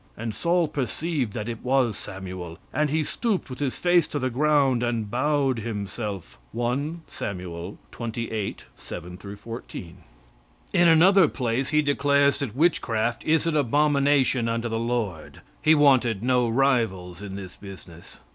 And Saul perceived that it was Samuel, and he stooped with his face to the ground, and bowed himself." (1 Saml. xxviii, 7 14.) In another place he declares that witchcraft is an abomination unto the Lord. He wanted no rivals in this business.